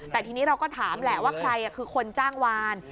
แต่ทีนี้เราก็ถามแหละว่าใครคือคนจ้างวาน